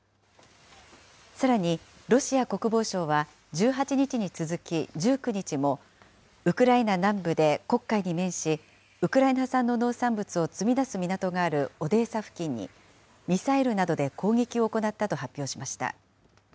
さらに、ロシア国防省は１８日に続き、１９日も、ウクライナ南部で黒海に面し、ウクライナ産の農産物を積み出す港があるオデーサ付近に、ミサイルなどで攻撃を行ったと発表しました。